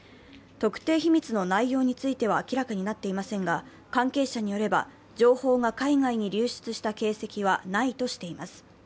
特定秘密の内容については明らかになっていませんが関係者によれば、情報が海外に流出した形跡はないとしています。